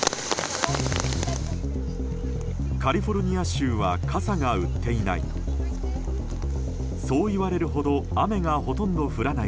カリフォルニア州は傘が売っていない。